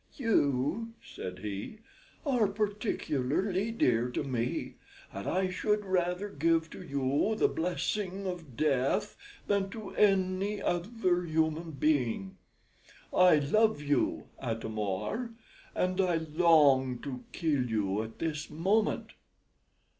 "You," said he, "are particularly dear to me, and I should rather give to you the blessing of death than to any other human being. I love you, Atam or, and I long to kill you at this moment."